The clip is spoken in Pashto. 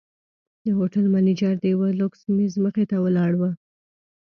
د هوټل منیجر د یوه لوکس میز مخې ته ولاړ و.